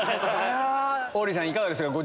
王林さんいかがですか？